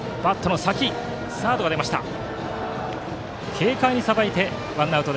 軽快にさばいてワンアウト。